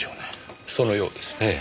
そのようですねぇ。